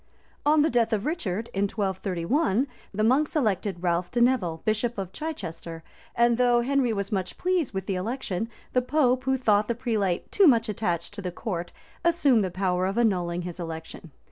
On the death of Richard, in 1231, the monks elected Ralph de Neville, bishop of Chichester; and though Henry was much pleased with the election, the pope, who thought that prelate too much attached to the crown, assumed the power of annulling his election.